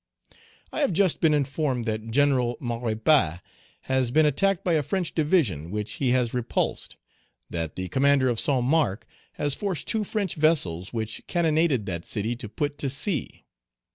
"I have just been informed that General Maurepas has been attacked by a French division, which he has repulsed; that the commander of Saint Marc has forced two French vessels which cannonaded that city to put to sea.